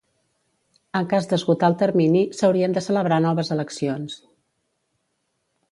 En cas d'esgotar el termini, s'haurien de celebrar noves eleccions.